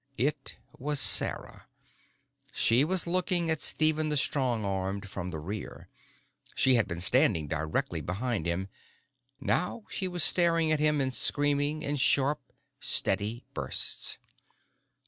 It was Sarah. She was looking at Stephen the Strong Armed from the rear. She had been standing directly behind him. Now she was staring at him and screaming in sharp steady bursts.